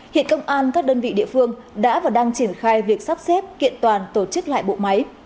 hiện công an các đơn vị địa phương đã và đang triển khai việc sắp xếp kiện toàn tổ chức lại bộ máy